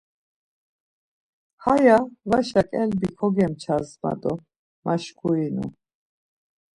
‘Haya vaş ǩelbi kogemças ma do maşkurinu.